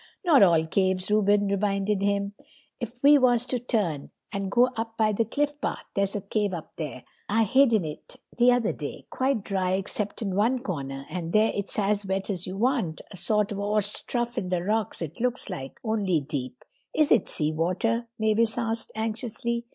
"Not all caves," Reuben reminded him. "If we was to turn and go up by the cliff path. There's a cave up there. I hid in it t'other day. Quite dry, except in one corner, and there it's as wet as you want—a sort of 'orse trough in the rocks it looks like—only deep." "Is it seawater?" Mavis asked anxiously.